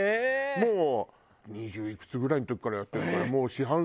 もう二十いくつぐらいの時からやってるから。